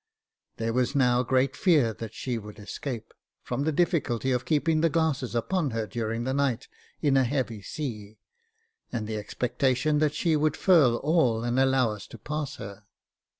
There was now great fear that she would escape, from the difficulty of keeping the glasses upon her during the night, in a heavy sea, and the expectation that she would furl all and allow us to pass her.